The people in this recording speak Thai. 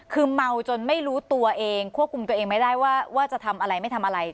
คือเมาจนไม่รู้ตัวเองควบคุมตัวเองไม่ได้ว่าจะทำอะไรไม่ทำอะไร